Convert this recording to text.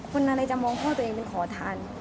คุณอะไรจะมองพ่อตัวเองไปขอทาน